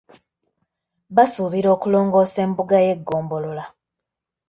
Basuubira okulongoosa embuga y’eggombolola.